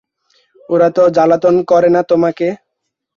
ওরা তো জ্বালাতন করে না তোমাকে?